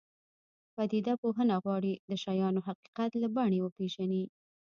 پدیده پوهنه غواړي د شیانو حقیقت له بڼې وپېژني.